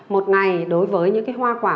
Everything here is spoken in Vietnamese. một ngày đối với những cái hoa quả